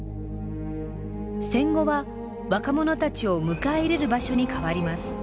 戦後は若者たちを迎え入れる場所に変わります。